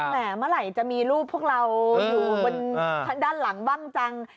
เมื่อไหร่จะมีรูปพวกเราอยู่บนด้านหลังบ้างจัง